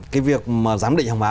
cái việc mà giám định hàng hóa